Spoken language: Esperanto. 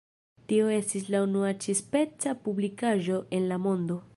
Tio estis la unua ĉi-speca publikaĵo en la mondo.